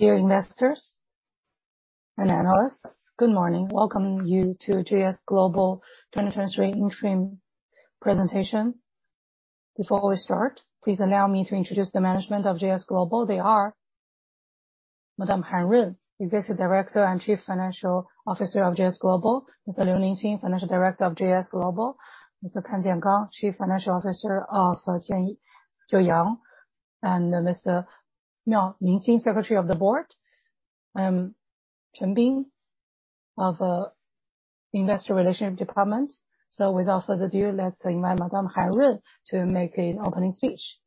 Dear investors and analysts, good morning. Welcome you to JS Global 2023 interim presentation. Before we start, please allow me to introduce the management of JS Global. They are: Madam Han Run, Executive Director and Chief Financial Officer of JS Global; Mr. Liu Ningxin, Financial Director of JS Global; Mr. Pan Jianguo, Chief Financial Officer of Joyoung; and Mr. Miao Mingxin, Secretary of the Board; Chen Bing of Investor Relations Department. So without further ado, let's invite Madam Han Run to make an opening speech.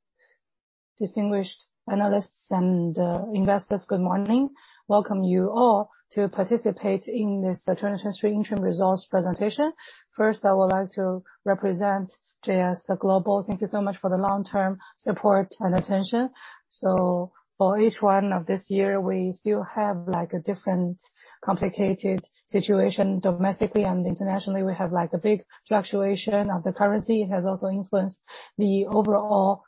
Distinguished analysts and investors, good morning. Welcome you all to participate in this the 2023 interim results presentation. First, I would like to represent JS Global, thank you so much for the long-term support and attention. So for H1 of this year, we still have, like, a different complicated situation domestically and internationally. We have, like, a big fluctuation of the currency. It has also influenced the overall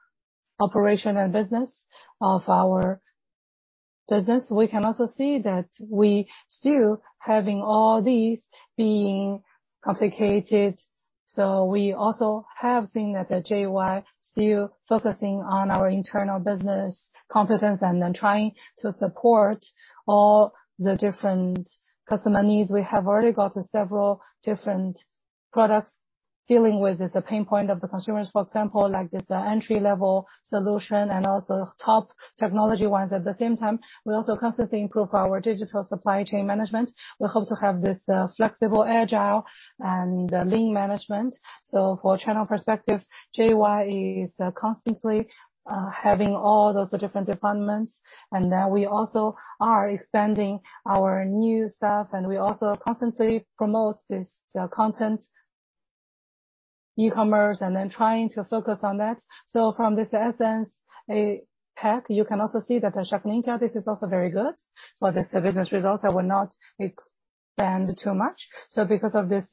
operation and business of our business. We can also see that we still having all these being complicated, so we also have seen that the JY still focusing on our internal business competence, and then trying to support all the different customer needs. We have already got several different products dealing with the pain point of the consumers, for example, like this entry-level solution and also top technology ones. At the same time, we also constantly improve our digital supply chain management. We hope to have this flexible, agile, and lean management. So for channel perspective, JY is constantly having all those different departments, and then we also are expanding our new stuff, and we also constantly promote this content e-commerce, and then trying to focus on that. So from this essence, APAC, you can also see that the SharkNinja, this is also very good. For this, the business results, I will not expand too much. So because of this,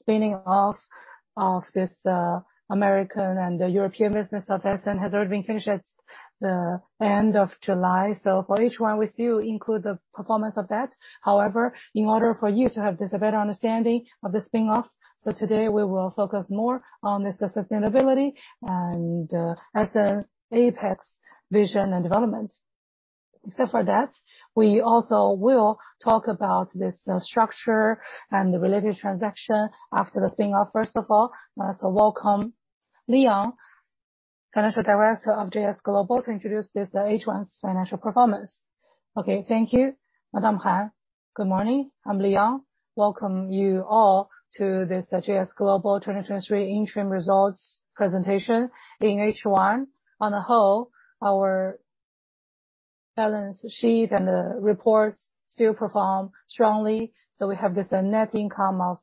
spinning off of this, American and the European business of SN has already been finished at the end of July. So for each one, we still include the performance of that. However, in order for you to have this, a better understanding of the spin-off, so today we will focus more on the sustainability and, at the APAC vision and development. Except for that, we also will talk about this, structure and the related transaction after the spin-off. First of all, so welcome, Leon, Financial Director of JS Global, to introduce this, the H1's financial performance. Okay. Thank you, Madam Han. Good morning, I'm Leon. Welcome you all to the JS Global 2023 interim results presentation. In H1, on the whole, our balance sheet and the reports still perform strongly, so we have this, the net income of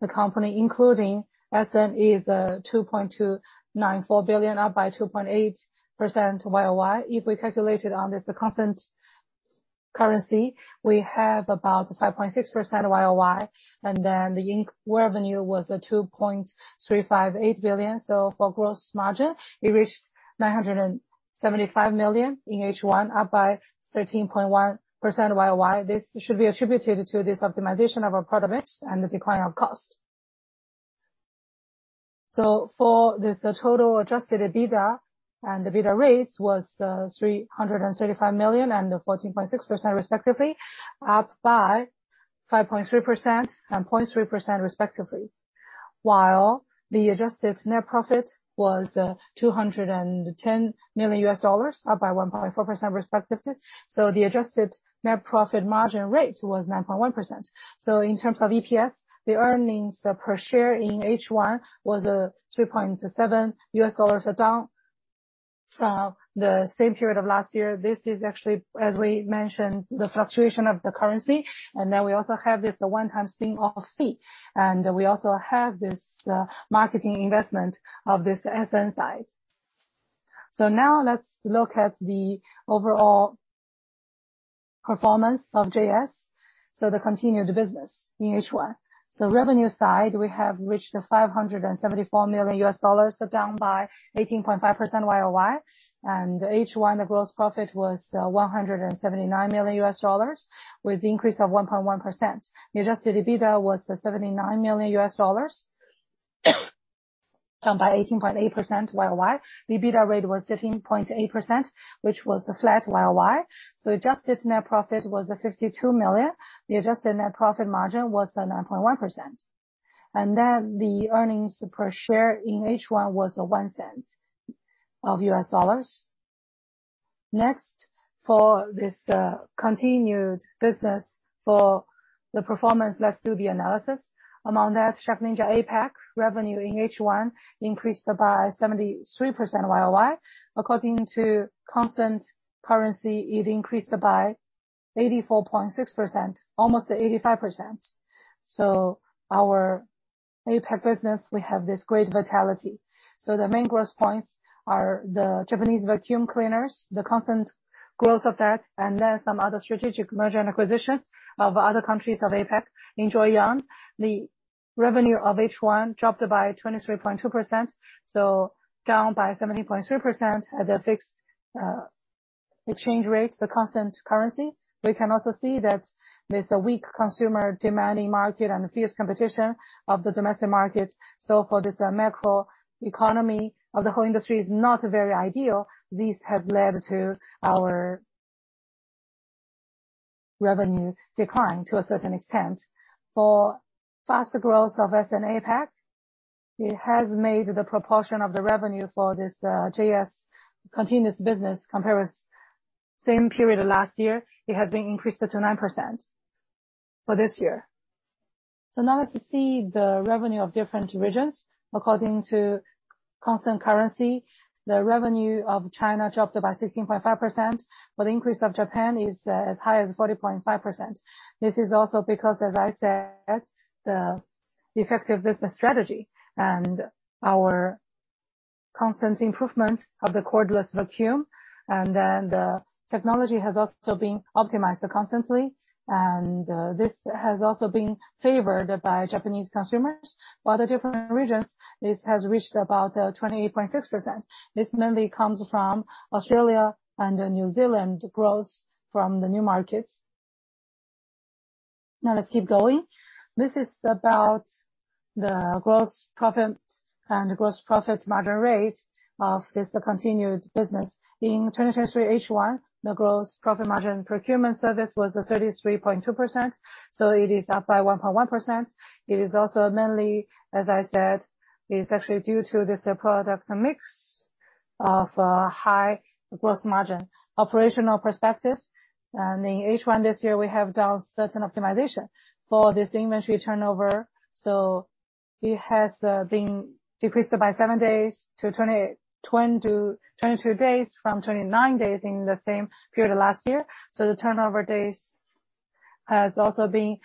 the company, including SN, is $2.294 billion, up by 2.8% YOY. If we calculate it on this constant currency, we have about 5.6% YOY, and then the revenue was $2.358 billion. So for gross margin, we reached $975 million in H1, up by 13.1% YOY. This should be attributed to this optimization of our product mix and the decline of cost. So for this, the total adjusted EBITDA and the EBITDA rates was $335 million, and 14.6% respectively, up by 5.3% and 0.3% respectively. While the adjusted net profit was $210 million, up by 1.4% respectively, so the adjusted net profit margin rate was 9.1%. So in terms of EPS, the earnings per share in H1 was $3.7, so down from the same period of last year. This is actually, as we mentioned, the fluctuation of the currency, and then we also have this, the one-time spin-off fee. And we also have this, marketing investment of this SN side. So now let's look at the overall performance of JS, so the continued business in H1. So revenue side, we have reached $574 million, so down by 18.5% YOY. And H1, the gross profit was $179 million, with increase of 1.1%. The adjusted EBITDA was $79 million, down by 18.8% YOY. The EBITDA rate was 13.8%, which was flat YOY. So adjusted net profit was $52 million. The adjusted net profit margin was 9.1%. And then the earnings per share in H1 was $0.01. Next, for this continued business for the performance, let's do the analysis. Among that, SharkNinja APAC revenue in H1 increased by 73% YOY. According to constant currency, it increased by 84.6%, almost 85%. So our APAC business, we have this great vitality. So the main growth points are the Japanese vacuum cleaners, the constant growth of that, and then some other strategic merger and acquisitions of other countries of APAC. In Joyoung, Revenue of H1 dropped by 23.2%, so down by 17.3% at the fixed exchange rate, the constant currency. We can also see that there's a weak consumer demanding market and a fierce competition of the domestic market. So for this, the macro economy of the whole industry is not very ideal. These have led to our revenue decline to a certain extent. For faster growth of SharkNinja APAC, it has made the proportion of the revenue for this, JS continuous business compare with same period of last year, it has been increased to 9% for this year. So now let's see the revenue of different regions. According to constant currency, the revenue of China dropped by 16.5%, but increase of Japan is, as high as 40.5%. This is also because, as I said, the effective business strategy and our constant improvement of the cordless vacuum, and then the technology has also been optimized constantly, and this has also been favored by Japanese consumers. While the different regions, this has reached about 28.6%. This mainly comes from Australia and New Zealand growth from the new markets. Now let's keep going. This is about the gross profit and the gross profit margin rate of this continued business. In 2023 H1, the gross profit margin procurement service was 33.2%, so it is up by 1.1%. It is also mainly, as I said, it's actually due to this product mix of high gross margin. Operational perspective, and in H1 this year, we have done certain optimization for this inventory turnover, so it has been decreased by 7 days to 22 days from 29 days in the same period of last year. So the turnover days has also been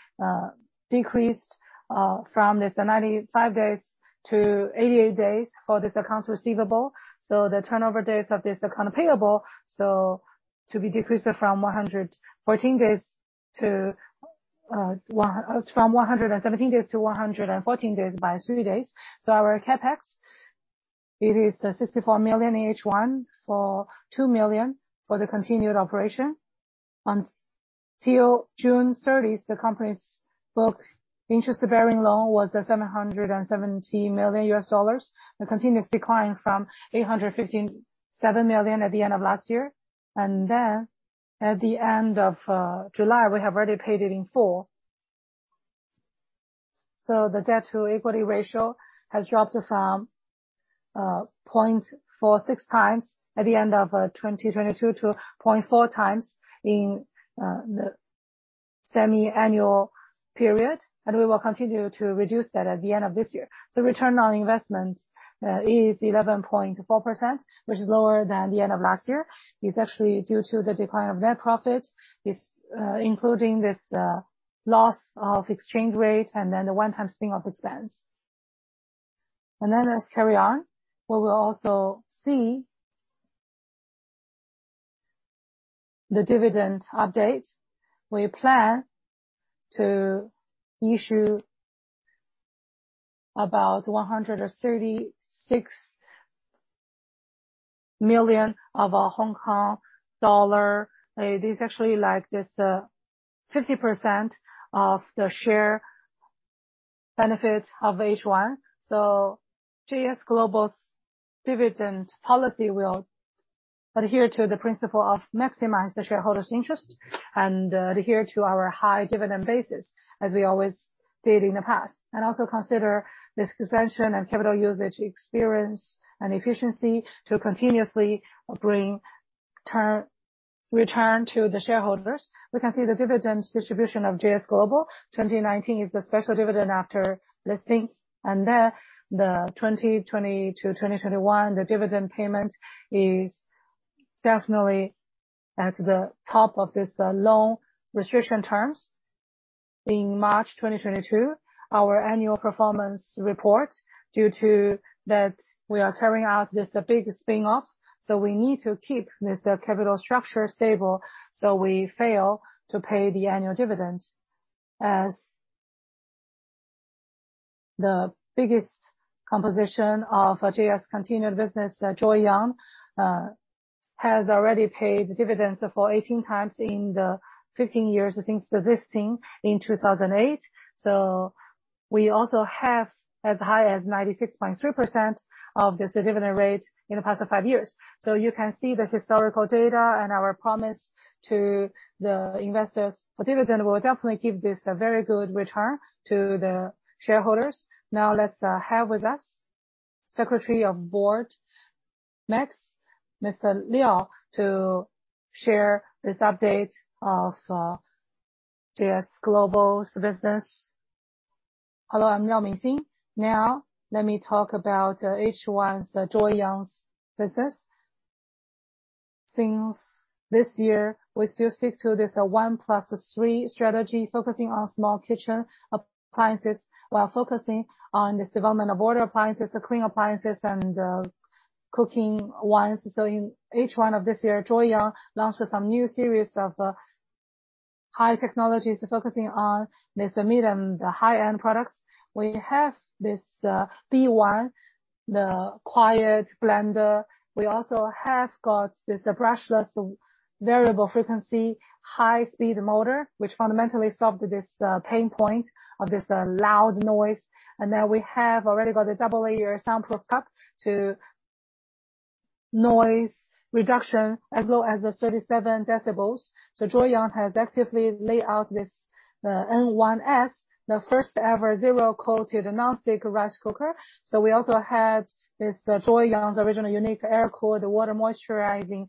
decreased from this 95 days to 88 days for this accounts receivable. So the turnover days of this account payable, so to be decreased from 117 days to 114 days by 3 days. So our CapEx, it is the $64 million H1 for $2 million for the continued operation. Until June thirtieth, the company's book interest-bearing loan was at $770 million. It continues declining from $857 million at the end of last year. Then, at the end of July, we have already paid it in full. So the debt to equity ratio has dropped from 0.46 times at the end of 2022 to 0.4 times in the semiannual period, and we will continue to reduce that at the end of this year. So return on investment is 11.4%, which is lower than the end of last year. It's actually due to the decline of net profit. It's including this loss of exchange rate and then the one-time spin-off expense. Then let's carry on. We will also see... the dividend update. We plan to issue about 136 million of our Hong Kong dollar. It is actually like this, 50% of the share benefit of H1. So JS Global's dividend policy will adhere to the principle of maximize the shareholders' interest and adhere to our high dividend basis, as we always did in the past, and also consider this expansion and capital usage experience and efficiency to continuously bring return to the shareholders. We can see the dividend distribution of JS Global. 2019 is the special dividend after listing, and then the 2020 to 2021, the dividend payment is definitely at the top of this, loan restriction terms. In March 2022, our annual performance report, due to that, we are carrying out this, the big spin-off, so we need to keep this, capital structure stable, so we fail to pay the annual dividend. As the biggest composition of JS continued business, Joyoung has already paid dividends for 18 times in the 15 years since listing in 2008. So we also have as high as 96.3% of this dividend rate in the past five years. So you can see the historical data and our promise to the investors. The dividend will definitely give this a very good return to the shareholders. Now, let's have with us, Secretary of Board. Next, Mr. Miao, to share this update of JS Global's business. Hello, I'm Miao Mingxin. Now, let me talk about H1's, Joyoung's business. Since this year, we still stick to this one plus three strategy, focusing on small kitchen appliances, while focusing on this development of water appliances, the clean appliances and cooking ones. So in H1 of this year, Joyoung launched some new series of high technologies focusing on this mid and the high-end products. We have this B1 Quiet Blender. We also have got this brushless variable frequency high-speed motor, which fundamentally solved this pain point of this loud noise. And then we have already got a double-layer soundproof cup to noise reduction as low as 37 decibels. So Joyoung has actively laid out this N1S, the first ever zero-coating non-stick rice cooker. So we also had this Joyoung's original unique air-cooled water moisturizing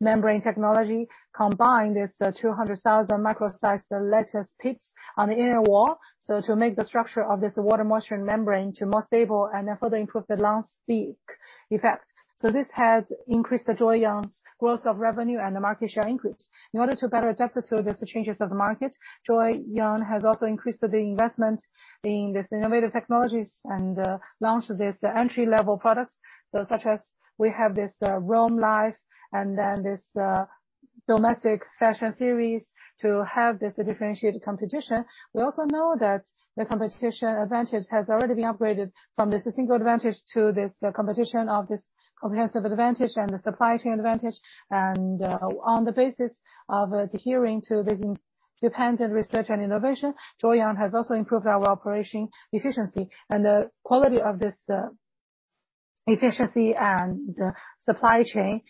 membrane technology, combined with the 200,000 micro-sized lattice pits on the inner wall, so to make the structure of this water moisturizing membrane to more stable and then further improve the non-stick effect. So this has increased the Joyoung's growth of revenue and the market share increase. In order to better adapt to these changes of the market, Joyoung has also increased the investment in this innovative technologies and launched this entry-level products. So such as we have this, Roam Life, and then this, domestic fashion series to have this differentiated competition. We also know that the competition advantage has already been upgraded from this single advantage to this competition of this comprehensive advantage and the supply chain advantage. On the basis of adhering to this independent research and innovation, Joyoung has also improved our operation efficiency and the quality of this, efficiency and the supply chain.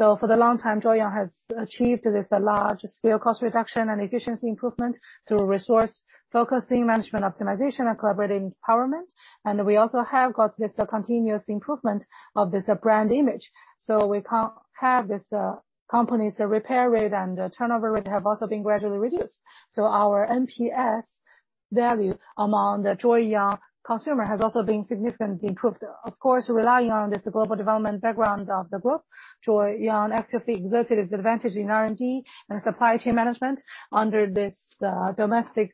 So for the long time, Joyoung has achieved this large scale cost reduction and efficiency improvement through resource focusing, management optimization, and collaborative empowerment. We also have got this continuous improvement of this, brand image. So we have this company's repair rate and turnover rate have also been gradually reduced. So our NPS value among the Joyoung consumer has also been significantly improved. Of course, relying on this global development background of the group, Joyoung actively exerted its advantage in R&D and supply chain management under this domestic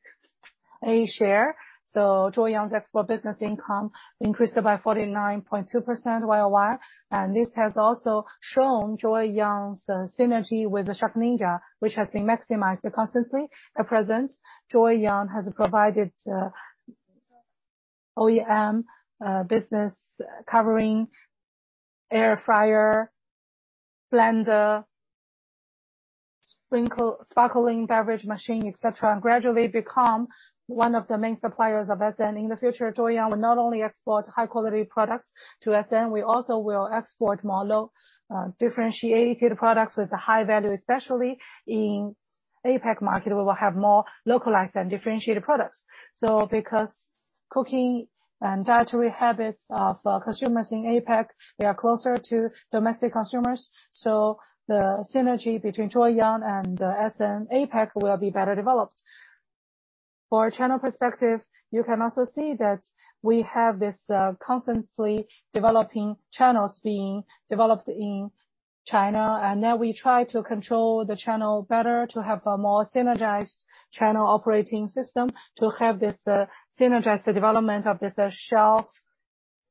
A-share. So Joyoung's export business income increased by 49.2% YOY, and this has also shown Joyoung's synergy with the SharkNinja, which has been maximized constantly. At present, Joyoung has provided OEM business covering air fryer, blender, sparkling beverage machine, et cetera, and gradually become one of the main suppliers of SN. In the future, Joyoung will not only export high quality products to SN, we also will export more low-differentiated products with a high value, especially in APAC market. We will have more localized and differentiated products. So because cooking and dietary habits of consumers in APAC, they are closer to domestic consumers, so the synergy between Joyoung and SN APAC will be better developed. For channel perspective, you can also see that we have this constantly developing channels being developed in China, and now we try to control the channel better to have a more synergized channel operating system, to have this synergize the development of this shelf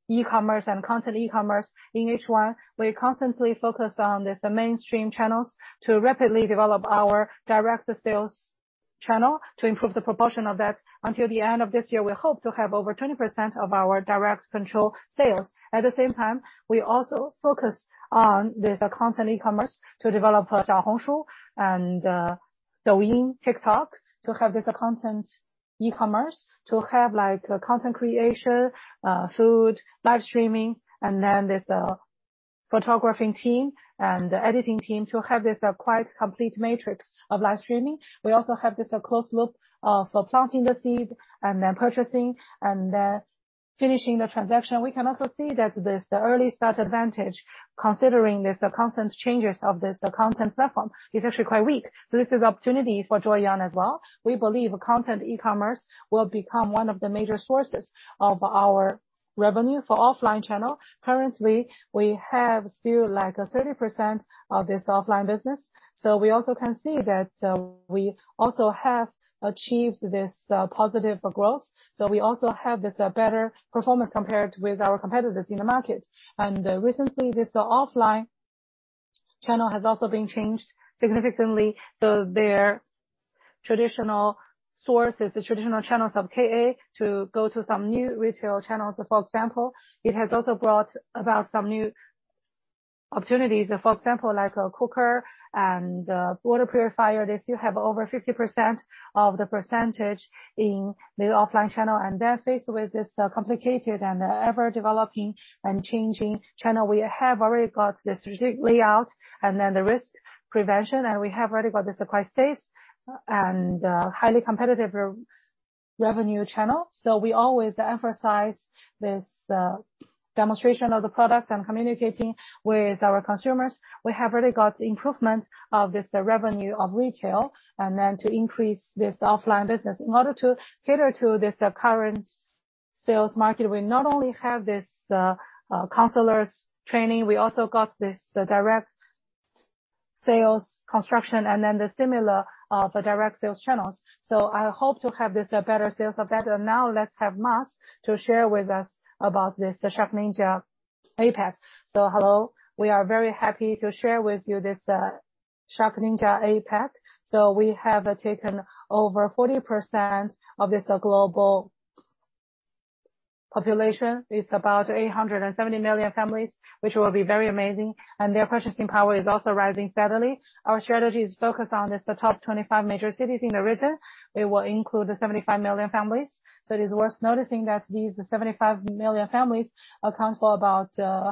e-commerce and content e-commerce. In each one, we constantly focus on this mainstream channels to rapidly develop our direct sales channel to improve the proportion of that. Until the end of this year, we hope to have over 20% of our direct control sales. At the same time, we also focus on this content e-commerce to develop, Xiaohongshu and Douyin, TikTok, to have this content e-commerce, to have, like, content creation, food, live streaming, and then this photographing team and the editing team to have this quite complete matrix of live streaming. We also have this closed loop for planting the seed and then purchasing and finishing the transaction. We can also see that this early start advantage, considering the constant changes of this content platform, is actually quite weak. So this is opportunity for Joyoung as well. We believe content e-commerce will become one of the major sources of our revenue for offline channel. Currently, we have still, like, a 30% of this offline business, so we also can see that we also have achieved this positive growth. So we also have this better performance compared with our competitors in the market. And recently, this offline channel has also been changed significantly, so their traditional sources, the traditional channels of KA, to go to some new retail channels, for example, it has also brought about some new opportunities. For example, like a cooker and a water purifier, they still have over 50% of the percentage in the offline channel, and they're faced with this complicated and ever-developing and changing channel. We have already got the strategic layout and then the risk prevention, and we have already got this quite safe and highly competitive revenue channel. So we always emphasize this demonstration of the products and communicating with our consumers. We have already got improvement of this revenue of retail, and then to increase this offline business. In order to cater to this current sales market, we not only have this counselors training, we also got this direct sales construction and then the similar direct sales channels. So I hope to have this better sales of that. And now let's have Max to share with us about this, the SharkNinja.. APAC. Hello, we are very happy to share with you this SharkNinja APAC. We have taken over 40% of this global population. It's about 870 million families, which will be very amazing, and their purchasing power is also rising steadily. Our strategy is focused on just the top 25 major cities in the region. It will include the 75 million families. It is worth noticing that these 75 million families account for about 50%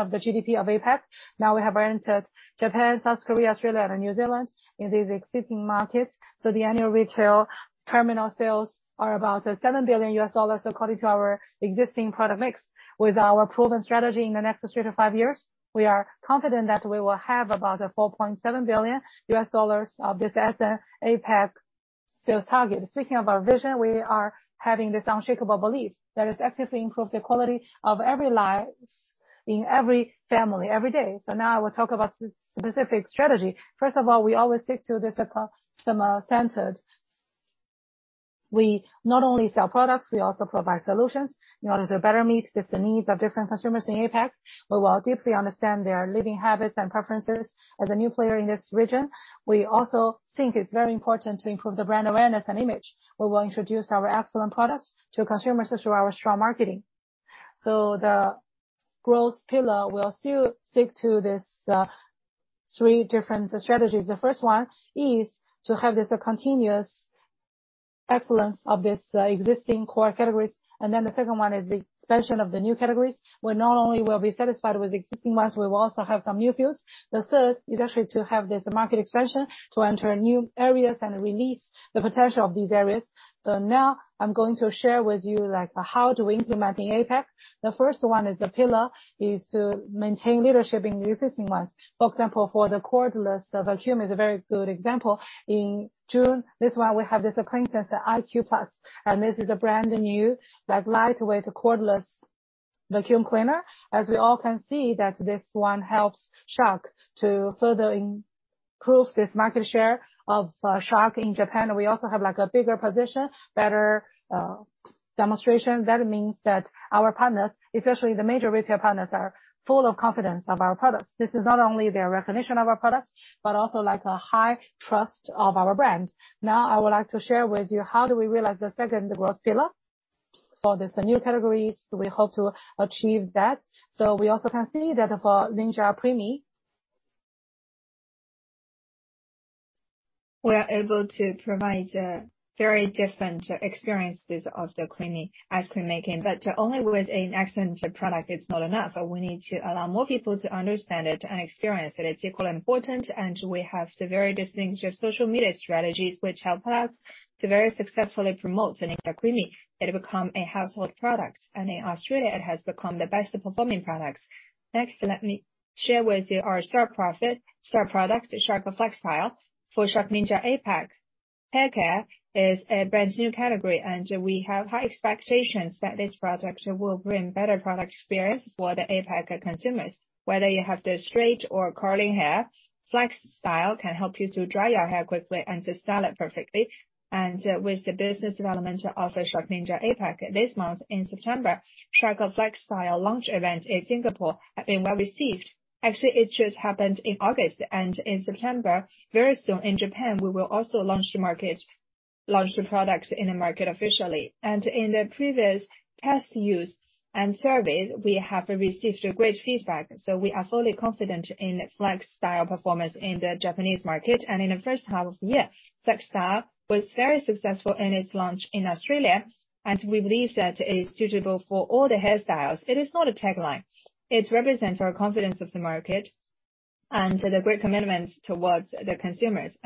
of the GDP of APAC. Now, we have entered Japan, South Korea, Australia, and New Zealand in these existing markets, so the annual retail terminal sales are about $7 billion according to our existing product mix. With our proven strategy in the next 3-5 years, we are confident that we will have about $4.7 billion of this as the APAC sales target. Speaking of our vision, we are having this unshakable belief that is actively improve the quality of every life, in every family, every day. So now I will talk about the specific strategy. First of all, we always stick to this customer-centered. We not only sell products, we also provide solutions in order to better meet the needs of different consumers in APAC. We will deeply understand their living habits and preferences. As a new player in this region, we also think it's very important to improve the brand awareness and image. We will introduce our excellent products to consumers through our strong marketing. So the growth pillar will still stick to this, three different strategies. The first one is to have this continuous excellence of this existing core categories. And then the second one is the expansion of the new categories, where not only we'll be satisfied with existing ones, we will also have some new views. The third is actually to have this market expansion, to enter new areas and release the potential of these areas. So now I'm going to share with you, like, how do we implement in APAC. The first one is the pillar, is to maintain leadership in the existing ones. For example, for the cordless vacuum is a very good example. In June, this one, we have this appliance, the IQ Plus, and this is a brand new, like, lightweight, cordless vacuum cleaner. As we all can see, that this one helps Shark to further improve this market share of Shark in Japan. We also have, like, a bigger position, better, demonstration. That means that our partners, especially the major retail partners, are full of confidence of our products. This is not only their recognition of our products, but also, like, a high trust of our brand. Now, I would like to share with you, how do we realize the second growth pillar? For this new categories, we hope to achieve that. So we also can see that for Ninja CREAMi, we are able to provide, very different experiences of the creamy ice cream making, but only with an excellent product, it's not enough. We need to allow more people to understand it and experience it. It's equally important, and we have the very distinguished social media strategies, which help us to very successfully promote the Ninja CREAMi. It become a household product, and in Australia, it has become the best-performing products. Next, let me share with you our star profit, star product, Shark FlexStyle. For SharkNinja APAC, hair care is a brand new category, and we have high expectations that this product will bring better product experience for the APAC consumers. Whether you have the straight or curly hair, FlexStyle can help you to dry your hair quickly and to style it perfectly. With the business development of SharkNinja APAC, this month in September, Shark FlexStyle launch event in Singapore have been well received. Actually, it just happened in August, and in September, very soon in Japan, we will also launch the products in the market officially. In the previous test use and surveys, we have received a great feedback, so we are fully confident in FlexStyle performance in the Japanese market. In the first half of the year, FlexStyle was very successful in its launch in Australia, and we believe that it is suitable for all the hairstyles. It is not a tagline. It represents our confidence of the market and the great commitment towards the consumers.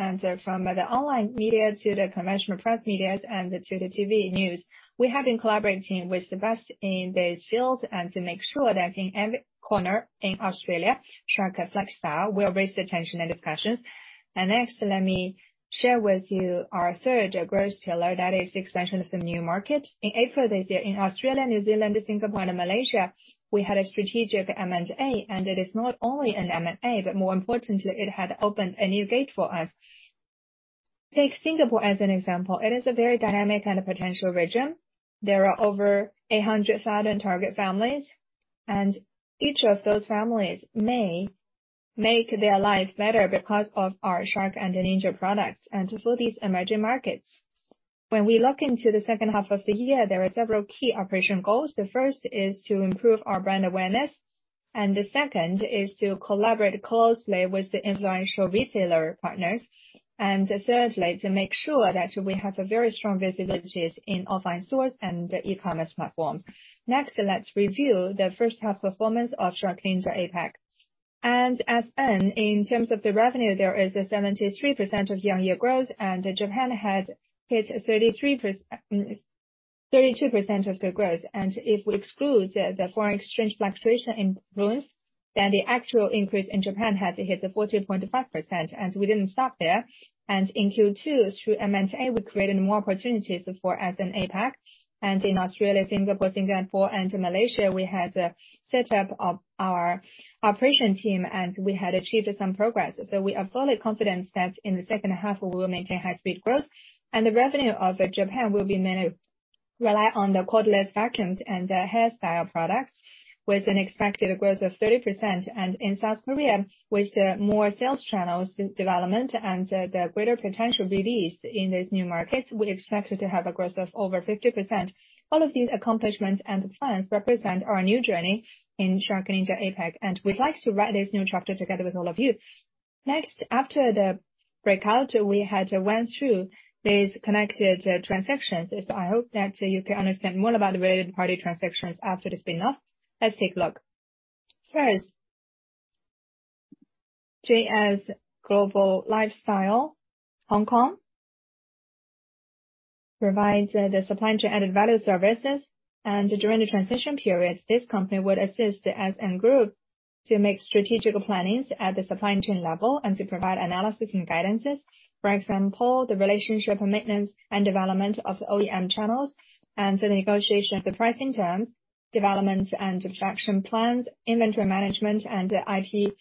From the online media to the conventional press media and to the TV news, we have been collaborating with the best in the field and to make sure that in every corner in Australia, Shark FlexStyle will raise attention and discussions. Next, let me share with you our third growth pillar, that is the expansion of the new market. In April this year, in Australia, New Zealand, Singapore, and Malaysia, we had a strategic M&A, and it is not only an M&A, but more importantly, it had opened a new gate for us. Take Singapore as an example. It is a very dynamic and a potential region. There are over 800,000 target families, and each of those families may make their life better because of our Shark and Ninja products, and for these emerging markets. When we look into the second half of the year, there are several key operation goals. The first is to improve our brand awareness, and the second is to collaborate closely with the influential retailer partners. And thirdly, to make sure that we have a very strong visibilities in online stores and e-commerce platforms. Next, let's review the first half performance of SharkNinja APAC. As in, in terms of the revenue, there is a 73% of year-over-year growth, and Japan had hit 33%... 32% of the growth. And if we exclude the foreign exchange fluctuation influence, then the actual increase in Japan had hit 40.5%, and we didn't stop there. And in Q2, through M&A, we created more opportunities for us in APAC, and in Australia, Singapore, Singapore, and Malaysia, we had a set up of our operation team, and we had achieved some progress. So we are fully confident that in the second half, we will maintain high-speed growth, and the revenue of Japan will be many-... rely on the cordless vacuums and the hairstyle products, with an expected growth of 30%. In South Korea, with the more sales channels development and the greater potential release in these new markets, we expect it to have a growth of over 50%. All of these accomplishments and plans represent our new journey in SharkNinja APAC, and we'd like to write this new chapter together with all of you. Next, after the breakout, we had went through these connected transactions. So I hope that you can understand more about the related party transactions after the spin-off. Let's take a look. First, JS Global Lifestyle, Hong Kong, provides the supply chain added value services, and during the transition period, this company would assist the SN group to make strategical plannings at the supply chain level and to provide analysis and guidances. For example, the relationship, maintenance, and development of OEM channels, and the negotiation of the pricing terms, development and attraction plans, inventory management, and IP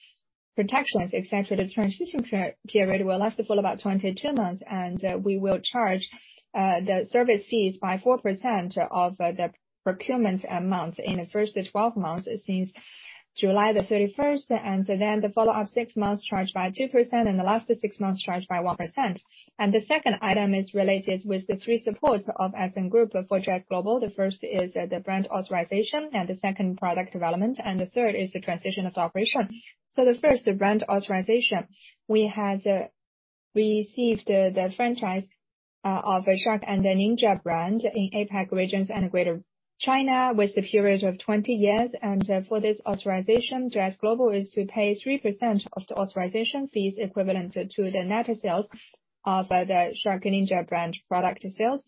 protections, et cetera. The transitional period will last for about 22 months, and we will charge the service fees by 4% of the procurement amount in the first 12 months, since July 31. So then the follow-up 6 months charged by 2%, and the last 6 months charged by 1%. The second item is related with the three supports of SN group for JS Global. The first is the brand authorization, and the second, product development, and the third is the transition of the operation. So the first, brand authorization. We had received the franchise of Shark and the Ninja brand in APAC regions and Greater China, with the period of 20 years. For this authorization, JS Global is to pay 3% of the authorization fees equivalent to the net sales of the Shark and Ninja brand product sales.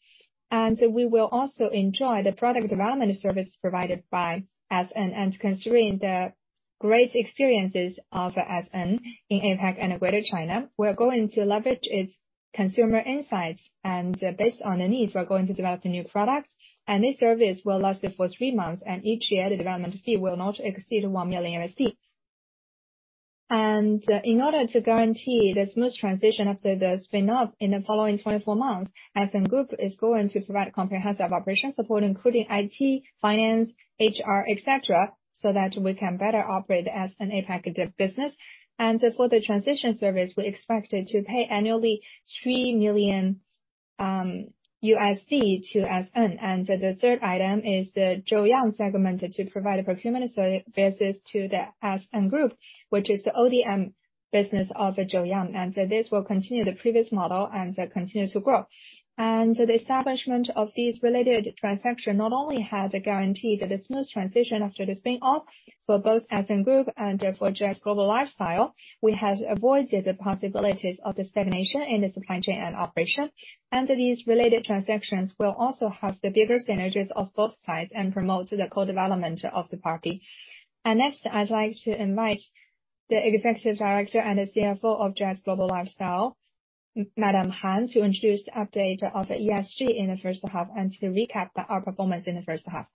We will also enjoy the product development service provided by SN. Considering the great experiences of SN in APAC and Greater China, we're going to leverage its consumer insights, and based on the needs, we're going to develop a new product. This service will last for 3 months, and each year, the development fee will not exceed $1 million. In order to guarantee the smooth transition after the spin-off in the following 24 months, SN Group is going to provide comprehensive operation support, including IT, finance, HR, et cetera, so that we can better operate as an APAC business. For the transition service, we're expected to pay annually $3 million to SN. The third item is the Joyoung segment to provide a procurement service to the SN group, which is the ODM business of Joyoung. So this will continue the previous model and continue to grow. The establishment of these related transactions not only has guaranteed the smooth transition after the spin-off for both SN group and therefore JS Global Lifestyle, we have avoided the possibilities of dissemination in the supply chain and operation. These related transactions will also have the bigger synergies of both sides and promote the co-development of the party. Next, I'd like to invite the Executive Director and the CFO of JS Global Lifestyle, Madam Han, to introduce the update of the ESG in the first half and to recap our performance in the first half.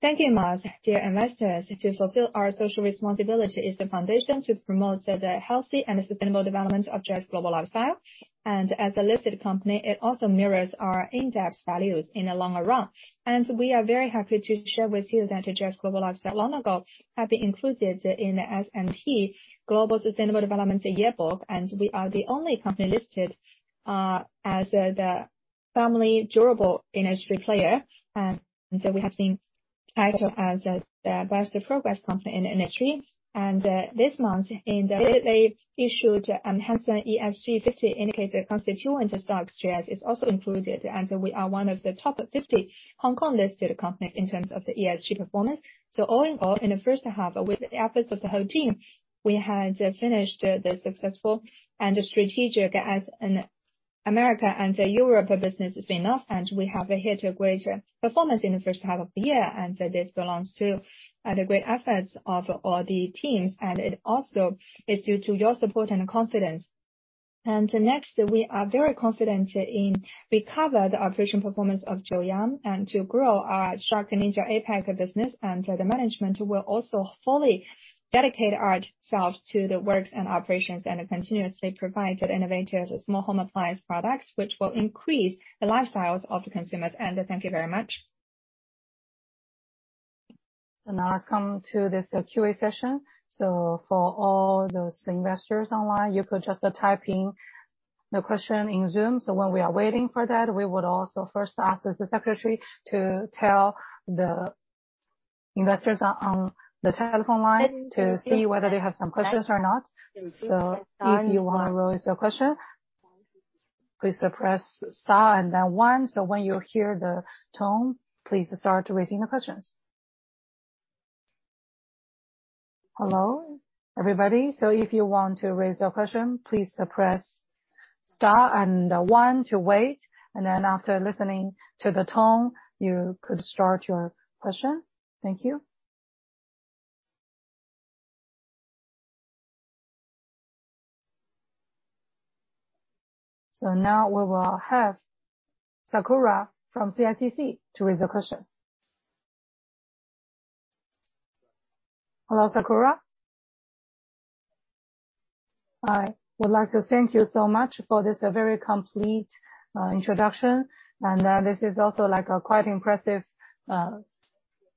Thank you, Mars. Dear investors, to fulfill our social responsibility is the foundation to promote the healthy and sustainable development of JS Global Lifestyle. And as a listed company, it also mirrors our in-depth values in the long run. And we are very happy to share with you that JS Global Lifestyle, long ago, have been included in the S&P Global Sustainable Development Yearbook, and we are the only company listed as the family durable industry player. And so we have been titled as the Best Progress Company in the industry. And this month, in the… They’ve issued a Hang Seng ESG50, indicating the constituent stock shares is also included, and we are one of the top 50 Hong Kong-listed companies in terms of the ESG performance. So all in all, in the first half, with the efforts of the whole team, we had finished the successful and strategic Americas and Europe business spin-off, and we have hit a great performance in the first half of the year. And this belongs to the great efforts of all the teams, and it also is due to your support and confidence. And next, we are very confident in recovering the operation performance of Joyoung and to grow our SharkNinja APAC business. And the management will also fully dedicate ourselves to the works and operations, and continuously provide innovative small home appliance products, which will increase the lifestyles of the consumers. And thank you very much. So now let's come to this Q&A session. So for all those investors online, you could just type in the question in Zoom. When we are waiting for that, we would also first ask the secretary to tell the investors on the telephone line to see whether they have some questions or not. If you want to raise your question, please press star and then one. When you hear the tone, please start raising the questions. Hello, everybody. If you want to raise your question, please press star and one to wait, and then after listening to the tone, you could start your question. Thank you. Now we will have Sakura from CICC to raise a question.... Hello, Sakura. I would like to thank you so much for this, very complete, introduction, and, this is also like a quite impressive,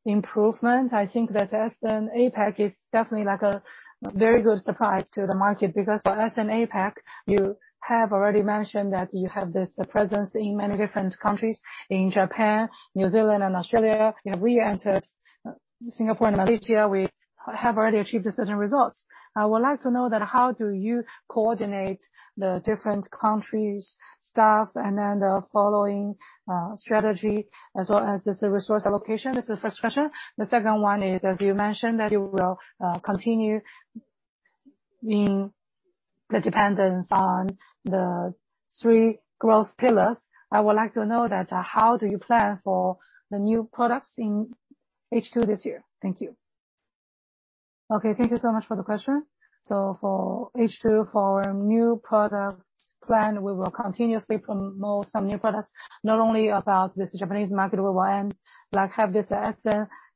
improvement. I think that SharkNinja APAC is definitely like a very good surprise to the market, because for SharkNinja APAC, you have already mentioned that you have this presence in many different countries, in Japan, New Zealand and Australia. You know, we entered Singapore and Malaysia, we have already achieved certain results. I would like to know that how do you coordinate the different countries' staffs and then the following, strategy, as well as the resource allocation? This is the first question. The second one is, as you mentioned, that you will, continue in the dependence on the three growth pillars. I would like to know that, how do you plan for the new products in H2 this year? Thank you. Okay, thank you so much for the question. So for H2, for our new product plan, we will continuously promote some new products, not only about this Japanese market we want, like, have this as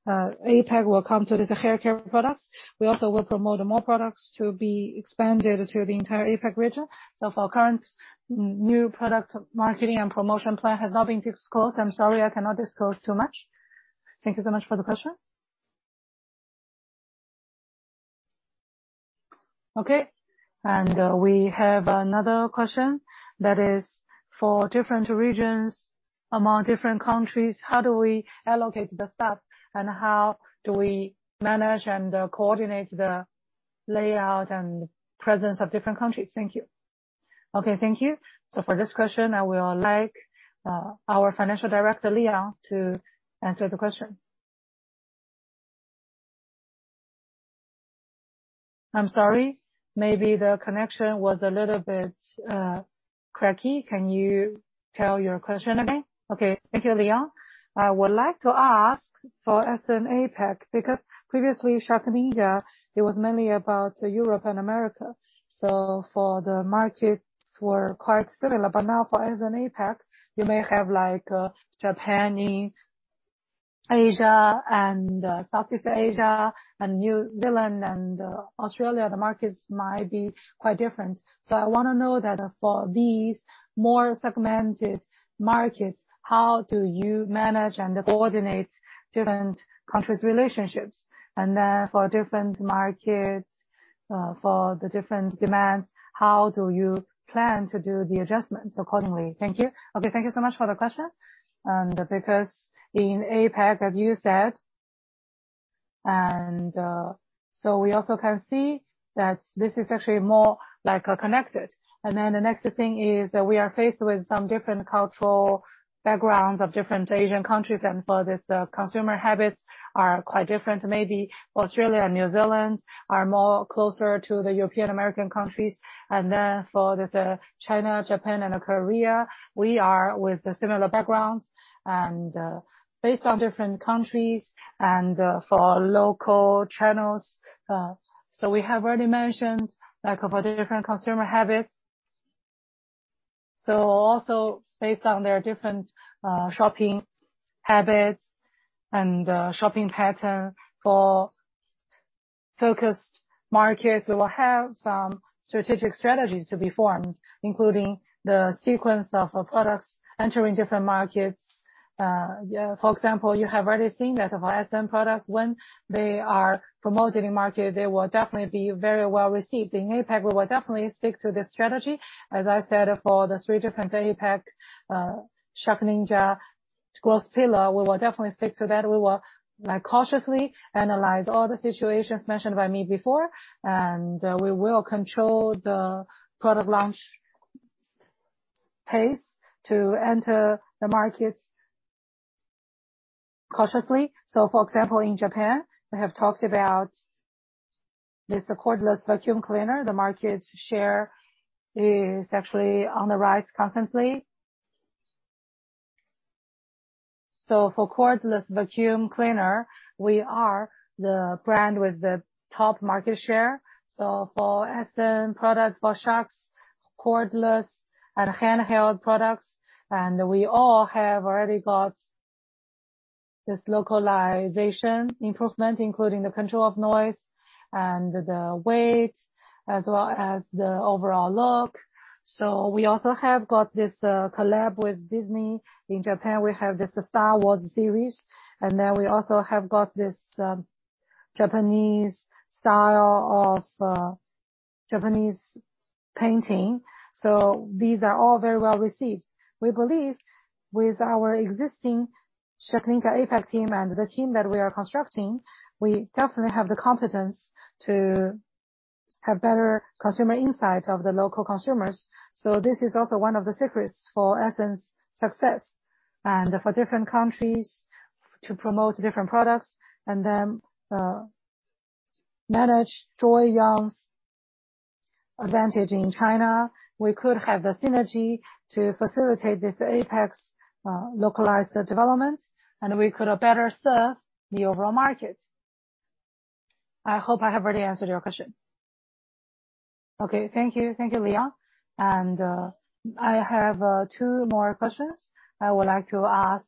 the, APAC will come to the hair care products. We also will promote more products to be expanded to the entire APAC region. So for current new product, marketing and promotion plan has not been disclosed. I'm sorry, I cannot disclose too much. Thank you so much for the question. Okay, and, we have another question. That is, for different regions among different countries, how do we allocate the staff? And how do we manage and, coordinate the layout and presence of different countries? Thank you. Okay, thank you. So for this question, I will like, our Financial Director, Liting, to answer the question. I'm sorry, maybe the connection was a little bit crackly. Can you tell your question again? Okay, thank you, Liting. I would like to ask for SharkNinja APAC, because previously, SharkNinja, it was mainly about Europe and America, so the markets were quite similar. But now for SharkNinja APAC, you may have, like, Japan in Asia, and Southeast Asia, and New Zealand and Australia, the markets might be quite different. So I wanna know that for these more segmented markets, how do you manage and coordinate different countries' relationships? And then for different markets, for the different demands, how do you plan to do the adjustments accordingly? Thank you. Okay, thank you so much for the question. And because in APAC, as you said... So we also can see that this is actually more, like, connected. Then the next thing is that we are faced with some different cultural backgrounds of different Asian countries, and for this, the consumer habits are quite different. Maybe Australia and New Zealand are more closer to the European-American countries, and then for the China, Japan and Korea, we are with the similar backgrounds. And, based on different countries and, for local channels, so we have already mentioned, like, for the different consumer habits. So also based on their different, shopping habits and, shopping pattern for focused markets, we will have some strategic strategies to be formed, including the sequence of products entering different markets. Yeah, for example, you have already seen that for SM products, when they are promoted in market, they will definitely be very well received. In APAC, we will definitely stick to this strategy. As I said, for the three different APAC, Shark Ninja growth pillar, we will definitely stick to that. We will, like, cautiously analyze all the situations mentioned by me before, and, we will control the product launch pace to enter the markets cautiously. So, for example, in Japan, we have talked about this cordless vacuum cleaner. The market share is actually on the rise constantly. So for cordless vacuum cleaner, we are the brand with the top market share. So for essential products, for Shark's, cordless and handheld products, and we all have already got this localization improvement, including the control of noise and the weight, as well as the overall look. So we also have got this, collab with Disney. In Japan, we have this Star Wars series, and then we also have got this Japanese style of Japanese painting, so these are all very well received. We believe with our existing SharkNinja APAC team and the team that we are constructing, we definitely have the confidence to have better consumer insight of the local consumers. So this is also one of the secrets for Essen's success, and for different countries to promote different products, and then manage Joyoung's advantage in China. We could have the synergy to facilitate this APAC's localized development, and we could better serve the overall market. I hope I have already answered your question. Okay, thank you. Thank you, Leon. And I have two more questions I would like to ask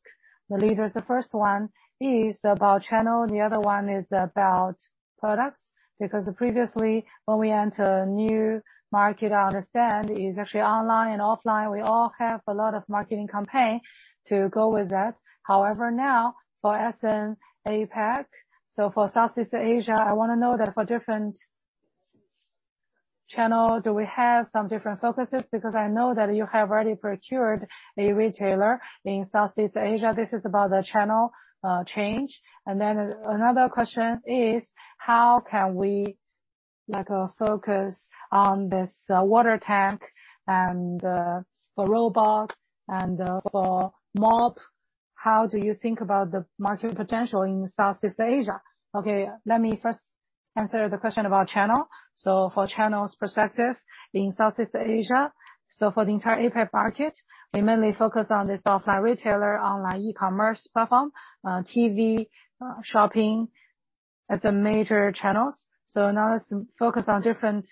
the leaders. The first one is about channel, and the other one is about products. Because previously, when we enter a new market, I understand it's actually online and offline. We all have a lot of marketing campaign to go with that. However, now for SN APAC, so for Southeast Asia, I wanna know that for different channel, do we have some different focuses? Because I know that you have already procured a retailer in Southeast Asia. This is about the channel change. And then another question is: How can we, like, focus on this water tank and for robot and for mop? How do you think about the market potential in Southeast Asia? Okay, let me first answer the question about channel. So for channels perspective, in Southeast Asia, so for the entire APAC market, we mainly focus on this offline retailer, online e-commerce platform, TV shopping, as the major channels. So now let's focus on different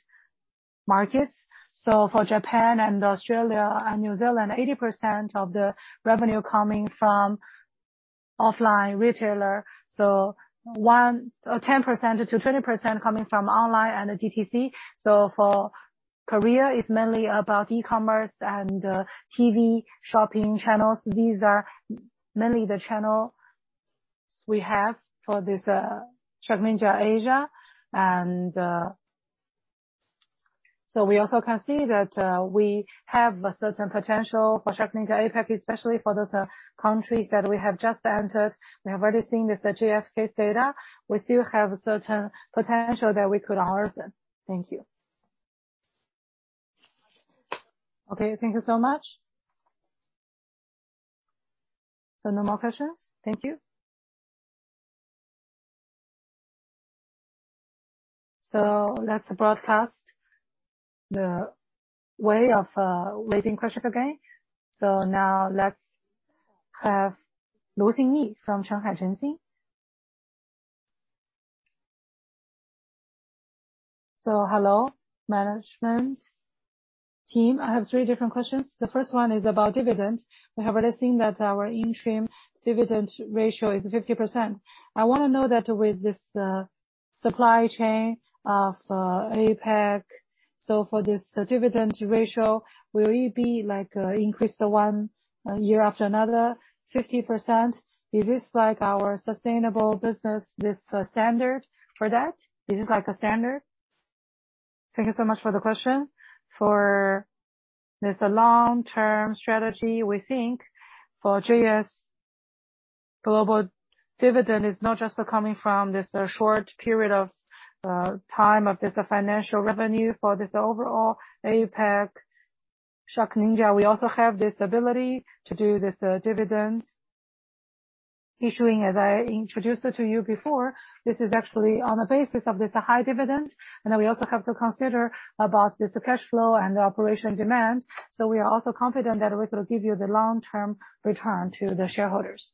markets. So for Japan and Australia and New Zealand, 80% of the revenue coming from offline retailer, so 10%-20% coming from online and the DTC. So for Korea, it's mainly about e-commerce and TV shopping channels. These are mainly the channels we have for this SharkNinja Asia. And so we also can see that we have a certain potential for SharkNinja APAC, especially for those countries that we have just entered. We have already seen this GfK data. We still have certain potential that we could harness then. Thank you. Okay, thank you so much. So no more questions? Thank you. So let's broadcast the way of raising questions again. So now let's have Lu Xingyi from Shanghai Zhenxing. So hello, management team. I have three different questions. The first one is about dividend. We have already seen that our interim dividend ratio is 50%. I wanna know that with this, supply chain of, APAC, so for this dividend ratio, will it be, like, increased one year after another, 50%? Is this, like, our sustainable business, this, standard for that? Is this like a standard? Thank you so much for the question. For this long-term strategy, we think for JS Global, dividend is not just coming from this, short period of, time, of this financial revenue. For this overall APAC SharkNinja, we also have this ability to do this, dividend issuing. As I introduced it to you before, this is actually on the basis of this high dividend, and then we also have to consider about this cash flow and the operation demand. So we are also confident that we will give you the long-term return to the shareholders.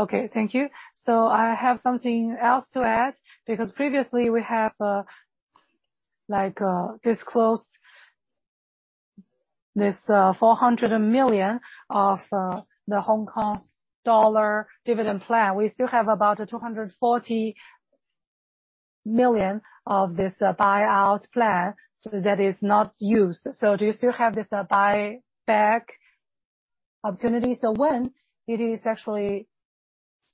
Okay, thank you. So I have something else to add, because previously we have, like, disclosed this 400 million dividend plan. We still have about 240 million of this buyback plan so that is not used. So do you still have this buyback opportunity? So when it is actually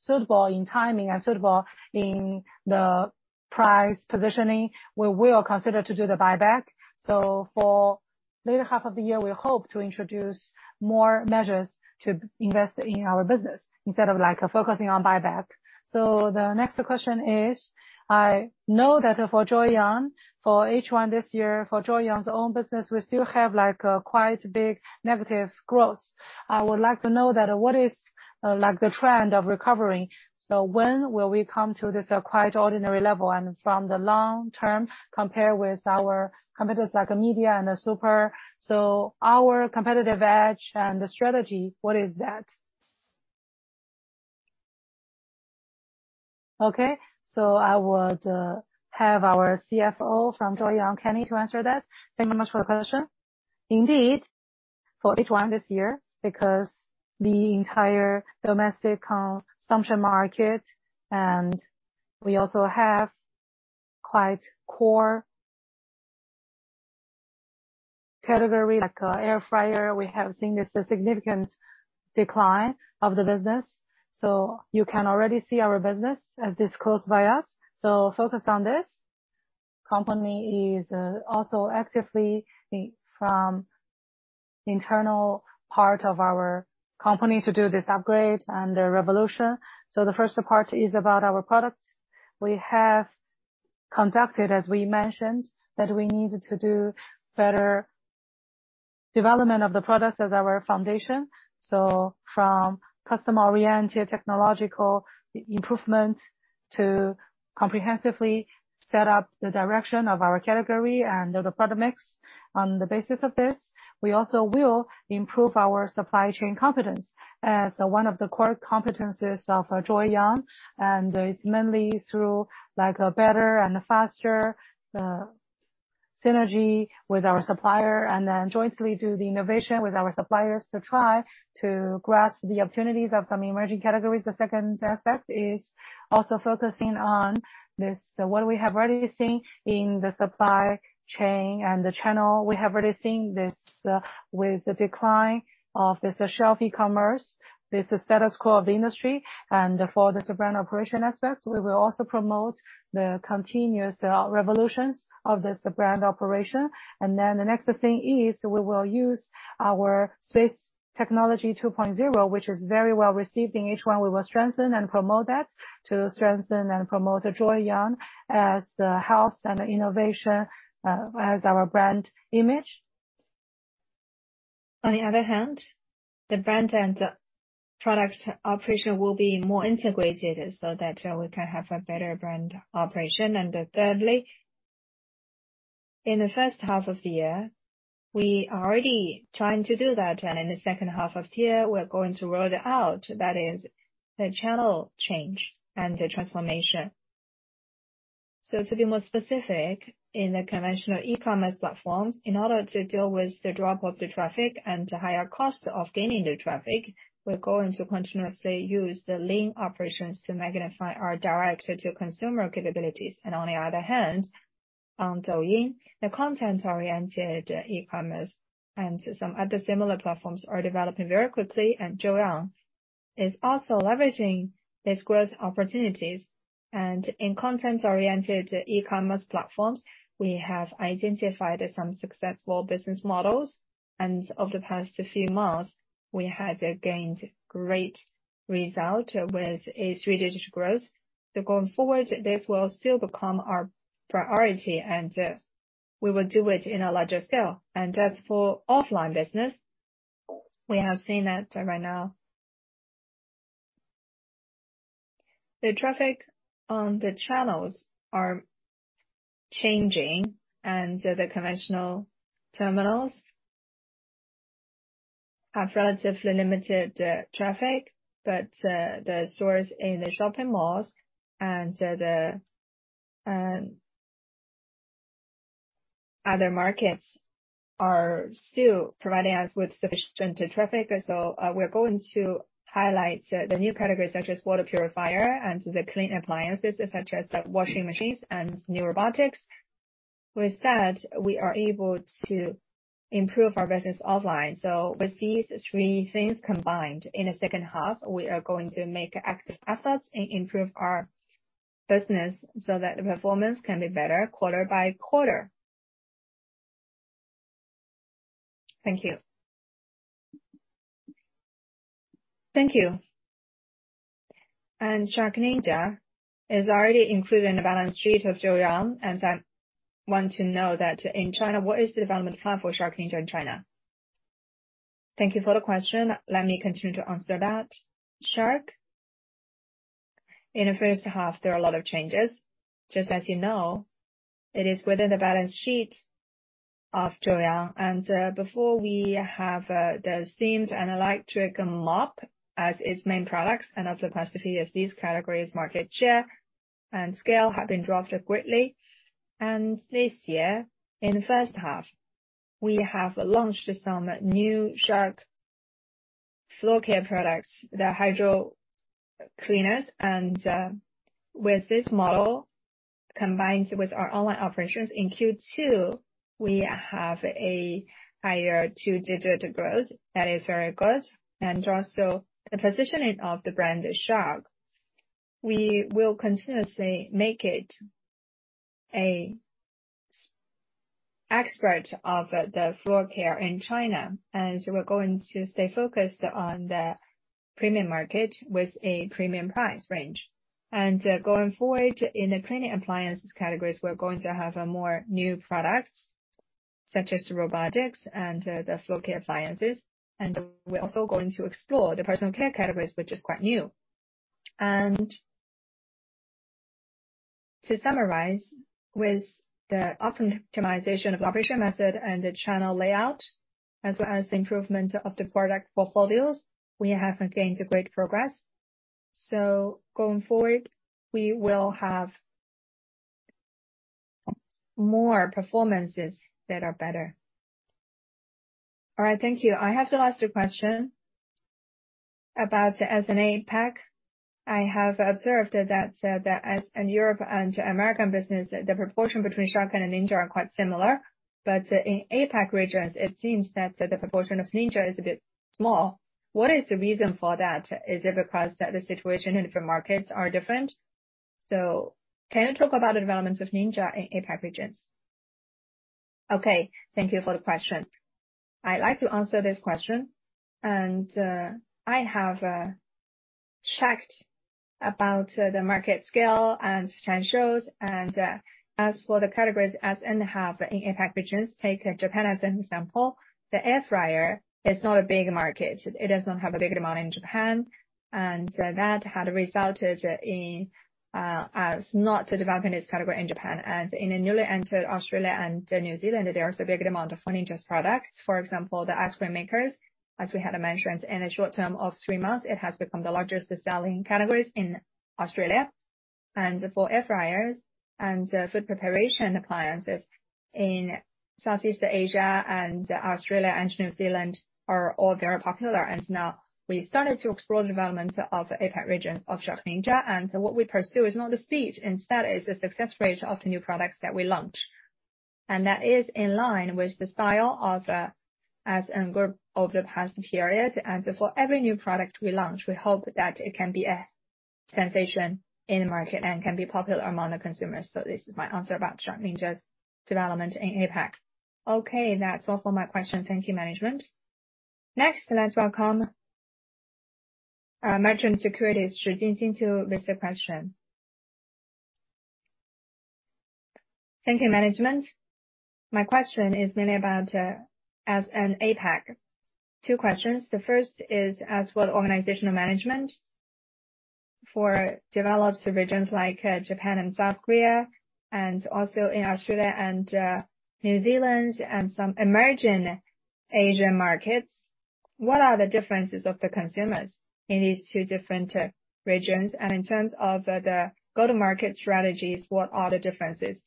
suitable in timing and suitable in the price positioning, we will consider to do the buyback. So for later half of the year, we hope to introduce more measures to invest in our business instead of, like, focusing on buyback. So the next question is, I know that for Joyoung, for H1 this year, for Joyoung's own business, we still have, like, a quite big negative growth. I would like to know that what is, like, the trend of recovering? So when will we come to this, quite ordinary level, and from the long term, compare with our competitors, like Midea and Supor, so our competitive edge and the strategy, what is that? Okay, so I would, have our CFO from Joyoung, Kenny, to answer that. Thank you very much for the question. Indeed, for H1 this year, because the entire domestic consumption market, and we also have quite core category like, air fryer, we have seen this, a significant decline of the business. So you can already see our business as disclosed by us. So focused on this, company is also actively from internal part of our company to do this upgrade and revolution. So the first part is about our products. We have conducted, as we mentioned, that we need to do better development of the products as our foundation. So from customer-oriented technological improvement, to comprehensively set up the direction of our category and the product mix on the basis of this. We also will improve our supply chain competence as one of the core competencies of Joyoung, and it's mainly through, like, a better and faster synergy with our supplier, and then jointly do the innovation with our suppliers to try to grasp the opportunities of some emerging categories. The second aspect is also focusing on this, what we have already seen in the supply chain and the channel. We have already seen this with the decline of this shelf e-commerce, this status quo of the industry. And for the brand operation aspect, we will also promote the continuous revolutions of this brand operation. And then the next thing is, we will use our Space Technology 2.0, which is very well received. In each one, we will strengthen and promote that, to strengthen and promote Joyoung as the health and innovation as our brand image. On the other hand, the brand and product operation will be more integrated, so that we can have a better brand operation. And, thirdly, in the first half of the year, we are already trying to do that, and in the second half of the year, we're going to roll it out. That is the channel change and the transformation. So to be more specific, in the conventional e-commerce platforms, in order to deal with the drop of the traffic and the higher cost of gaining the traffic, we're going to continuously use the lean operations to magnify our direct-to-consumer capabilities. And on the other hand, on Douyin, the content-oriented e-commerce and some other similar platforms are developing very quickly, and Joyoung is also leveraging these growth opportunities. In content-oriented e-commerce platforms, we have identified some successful business models, and over the past few months, we had gained great result with a three-digit growth. Going forward, this will still become our priority, and we will do it in a larger scale. As for offline business, we have seen that right now the traffic on the channels are changing, and the conventional terminals have relatively limited traffic, but the stores in the shopping malls and the other markets are still providing us with sufficient traffic. We're going to highlight the new categories such as water purifier and the clean appliances, such as the washing machines and new robotics. With that, we are able to improve our business offline. With these three things combined, in the second half, we are going to make active efforts and improve our business so that the performance can be better quarter by quarter. Thank you. Thank you. SharkNinja is already included in the balance sheet of Joyoung, and I want to know that in China, what is the development plan for SharkNinja in China? Thank you for the question. Let me continue to answer that. Shark, in the first half, there are a lot of changes. Just as you know, it is within the balance sheet of Joyoung, and before we have the steamed and electric mop as its main products. And over the past few years, these categories, market share and scale, have been dropped greatly. And this year, in the first half, we have launched some new Shark floor care products, the hydro cleaners. And with this model, combined with our online operations in Q2, we have a higher two-digit growth that is very good. Also, the positioning of the brand, Shark, we will continuously make it an expert of the floor care in China, and so we're going to stay focused on the premium market with a premium price range. Going forward, in the cleaning appliances categories, we're going to have more new products, such as the robotics and the floor care appliances. And we're also going to explore the personal care categories, which is quite new. And to summarize, with the optimization of operation method and the channel layout, as well as the improvement of the product portfolios, we have gained a great progress. So going forward, we will have more performances that are better. All right. Thank you. I have the last question about SharkNinja APAC. I have observed that, the U.S. and Europe and Americas business, the proportion between Shark and Ninja are quite similar. But in APAC regions, it seems that the proportion of Ninja is a bit small. What is the reason for that? Is it because the situation in different markets are different? So can you talk about the developments of Ninja in APAC regions? Okay. Thank you for the question. I'd like to answer this question, and I have checked about the market scale and trend shows. As for the categories, as in half in APAC regions, take Japan as an example, the air fryer is not a big market. It does not have a big demand in Japan, and that had resulted in us not developing this category in Japan. And in a newly entered Australia and New Zealand, there is a big amount of funding these products. For example, the ice cream makers, as we had mentioned, in a short term of three months, it has become the largest selling categories in Australia. And for air fryers and food preparation appliances in Southeast Asia and Australia and New Zealand, are all very popular. And now we started to explore the development of the APAC region of SharkNinja, and so what we pursue is not the speed, instead, it's the success rate of the new products that we launch. And that is in line with the style of SharkNinja group over the past periods. And so for every new product we launch, we hope that it can be a sensation in the market and can be popular among the consumers. So this is my answer about SharkNinja's development in APAC. Okay, that's all for my question. Thank you, management. Next, let's welcome Merchant Securities to list a question. Thank you, management. My question is mainly about as an APAC. Two questions. The first is as for the organizational management. For developed regions like Japan and South Korea, and also in Australia and New Zealand, and some emerging Asian markets, what are the differences of the consumers in these two different regions? And in terms of the go-to-market strategies, what are the differences,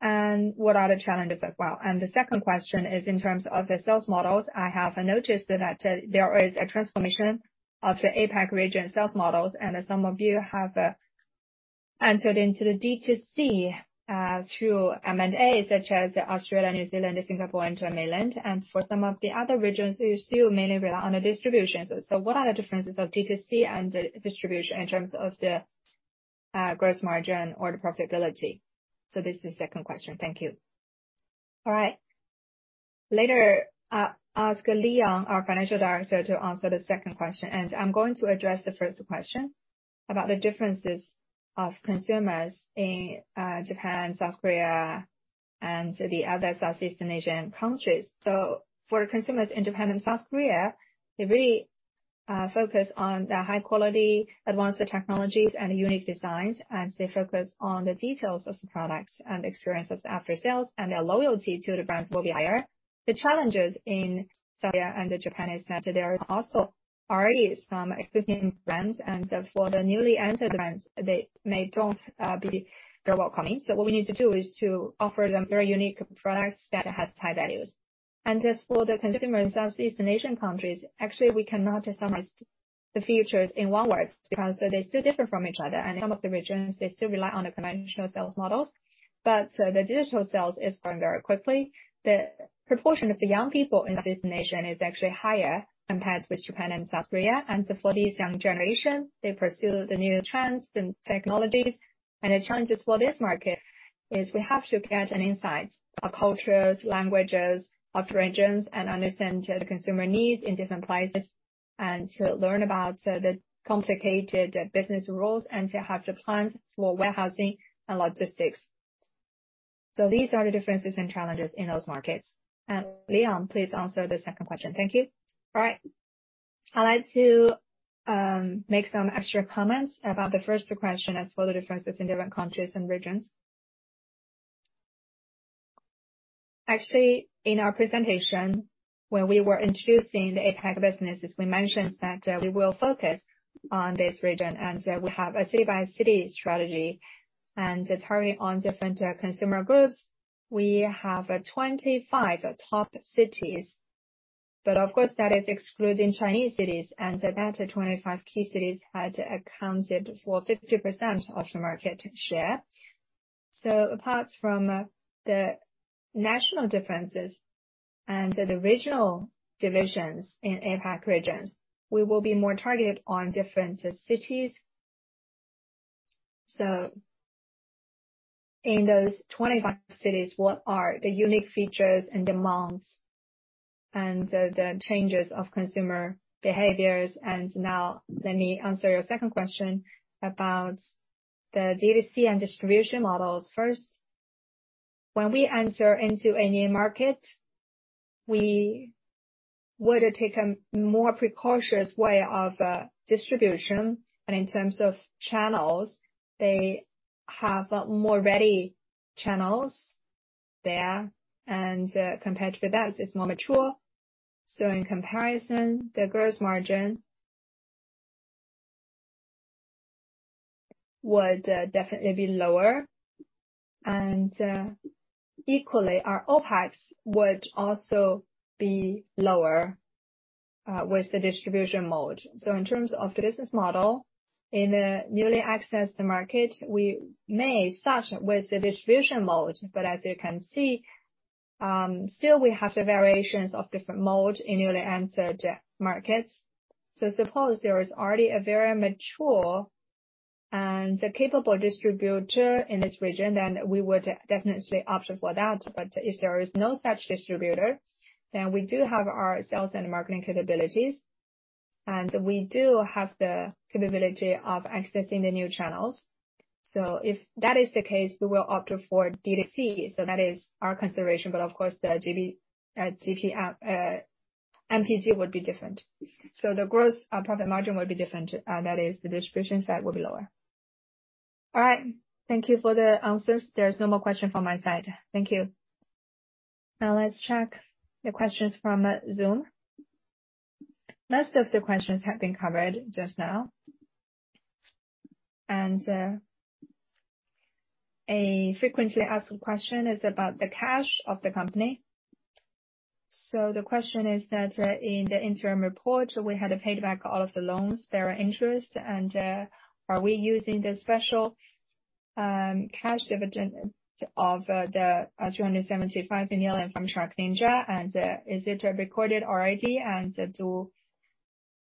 and what are the challenges as well? And the second question is in terms of the sales models. I have noticed that, there is a transformation of the APAC region sales models, and some of you have, entered into the D2C, through M&A, such as Australia, New Zealand, Singapore, and mainland. And for some of the other regions, you still mainly rely on the distributors. So what are the differences of D2C and distributor in terms of the, gross margin or the profitability? So this is the second question. Thank you. All right. Later, I'll ask Leon, our financial director, to answer the second question, and I'm going to address the first question about the differences of consumers in, Japan, South Korea, and the other Southeast Asian countries. For consumers in Japan and South Korea, they really focus on the high quality, advanced technologies and unique designs, and they focus on the details of the products and the experience of the after-sales, and their loyalty to the brands will be higher. The challenges in South Korea and Japan is that there are also already some existing brands, and so for the newly entered brands, they may don't be very welcoming. What we need to do is to offer them very unique products that has high values. As for the consumer in Southeast Asian countries, actually, we cannot summarize the features in one word, because they're still different from each other, and some of the regions, they still rely on the conventional sales models, but the digital sales is growing very quickly. The proportion of the young people in Southeast Asia is actually higher compared with Japan and South Korea. So for these young generation, they pursue the new trends and technologies. The challenges for this market is we have to get an insight of cultures, languages, of regions, and understand the consumer needs in different places, and to learn about the complicated business rules, and to have the plans for warehousing and logistics. So these are the differences and challenges in those markets. And Leon, please answer the second question. Thank you. All right. I'd like to make some extra comments about the first question as for the differences in different countries and regions. Actually, in our presentation, when we were introducing the APAC businesses, we mentioned that, we will focus on this region, and that we have a city-by-city strategy, and to target on different, consumer groups. We have 25 top cities, but of course, that is excluding Chinese cities, and so that 25 key cities had accounted for 50% of the market share. So apart from, the national differences and the regional divisions in APAC regions, we will be more targeted on different cities. So in those 25 cities, what are the unique features and demands and the, the changes of consumer behaviors? And now, let me answer your second question about the D2C and distribution models first. When we enter into a new market, we would take a more precautious way of distribution, and in terms of channels, they have more ready channels there, and compared with us, it's more mature. So in comparison, the gross margin would definitely be lower, and equally, our OPEX would also be lower with the distribution mode. So in terms of the business model, in a newly accessed market, we may start with the distribution mode, but as you can see, still we have the variations of different mode in newly entered markets. So suppose there is already a very mature and the capable distributor in this region, then we would definitely opt for that. But if there is no such distributor, then we do have our sales and marketing capabilities, and we do have the capability of accessing the new channels. So if that is the case, we will opt for D2C. So that is our consideration. But of course, the GD, GP, NPG would be different. So the gross profit margin would be different, that is, the distribution side will be lower. All right, thank you for the answers. There's no more question from my side. Thank you. Now let's check the questions from Zoom. Most of the questions have been covered just now, and a frequently asked question is about the cash of the company. So the question is that, in the interim report, we had to pay back all of the loans, their interest, and are we using the special cash dividend of the $375 million from SharkNinja? And is it recorded already? And do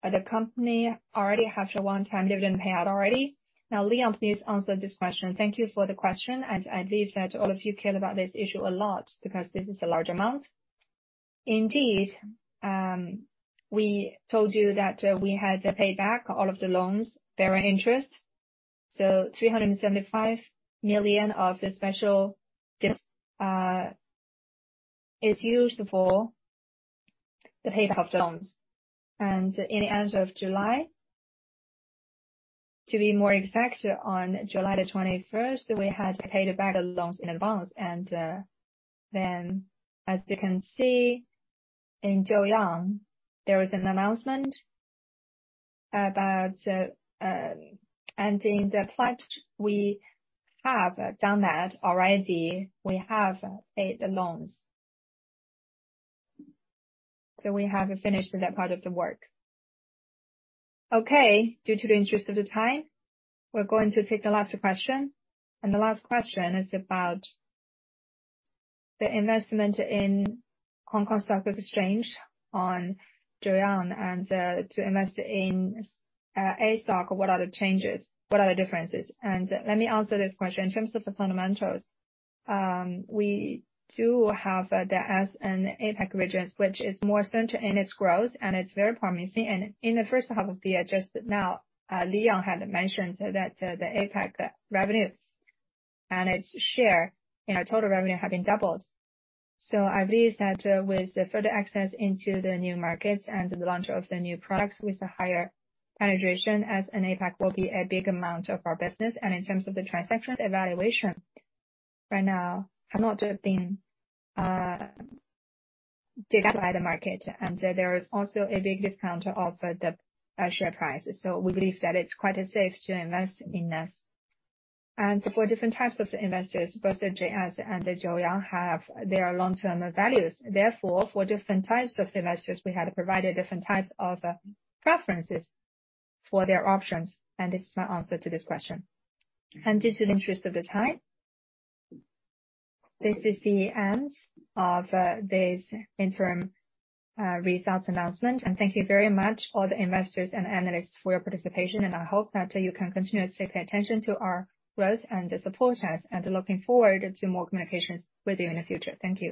the company already have the one-time dividend payout already? Now, Liam, please answer this question. Thank you for the question, and I believe that all of you care about this issue a lot, because this is a large amount. Indeed, we told you that we had to pay back all of the loans, bearing interest. So $375 million of the special dividend is used for the payback of loans. And in the end of July, to be more exact, on July the twenty-first, we had to pay back the loans in advance. And then, as you can see, in Joyoung, there was an announcement about ending the pledge. We have done that already. We have paid the loans. So we have finished that part of the work. Okay, due to the interest of the time, we're going to take the last question, and the last question is about the investment in Hong Kong Stock Exchange on Joyoung, and to invest in A stock, what are the changes? What are the differences? And let me answer this question. In terms of the fundamentals, we do have the S and APAC regions, which is more centered in its growth, and it's very promising. And in the first half of the year, just now, Leon had mentioned that the APAC revenue and its share in our total revenue have been doubled. So I believe that with the further access into the new markets and the launch of the new products with a higher penetration, as APAC will be a big amount of our business. In terms of the transaction evaluation right now, have not been dug out by the market, and there is also a big discount of the share price. So we believe that it's quite safe to invest in this. And for different types of investors, both JS and Joyoung have their long-term values. Therefore, for different types of investors, we have provided different types of preferences for their options, and this is my answer to this question. And in the interest of time, this is the end of this interim results announcement. And thank you very much, all the investors and analysts, for your participation, and I hope that you can continue to pay attention to our growth and support us, and looking forward to more communications with you in the future. Thank you.